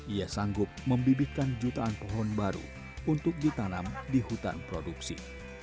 ia sanggup membibitkan jutaan pohon baru untuk ditanam di hutan produksi